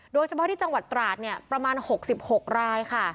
โดยเฉพาะที่จังหวัดตราดประมาณ๖๖รายค่ะ